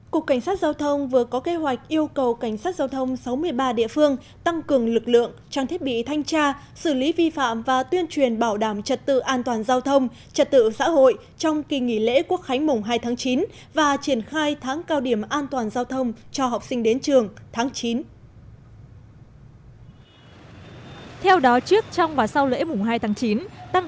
cục cảnh sát giao thông vừa có kế hoạch yêu cầu cảnh sát giao thông sáu mươi ba địa phương tăng cường lực lượng trong thiết bị thanh tra xử lý vi phạm và tuyên truyền bảo đảm trật tự an toàn giao thông trật tự xã hội trong kỳ nghỉ lễ quốc khánh mùng hai tháng chín và triển khai tháng cao điểm an toàn giao thông cho học sinh đến trường tháng chín